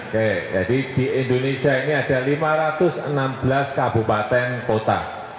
selawesi selawesi barat maluku papua